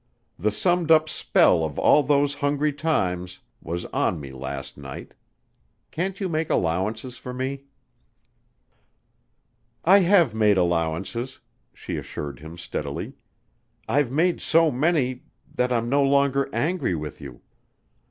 The summed up spell of all those hungry times was on me last night. Can't you make allowances for me?" "I have made allowances," she assured him steadily. "I've made so many that I'm no longer angry with you.